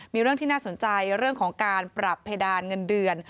มีเรื่องที่น่าสนใจเรื่องของการปรับเพดานเงินเดือน